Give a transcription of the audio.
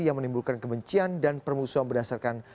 yang menimbulkan kebencian dan permusuhan berdasarkan